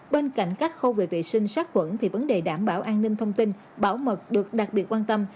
bên cạnh các khâu về vệ sinh sát quẩn thì vấn đề đảm bảo an ninh thông tin bảo mật được đặc biệt quan tâm